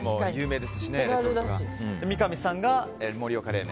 三上さんが盛岡冷麺。